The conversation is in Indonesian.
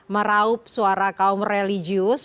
meraup suara kaum religius